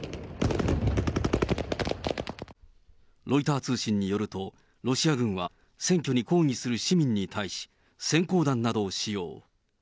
ロイター通信によると、ロシア軍は占拠に抗議する市民に対し、せん光弾などを使用。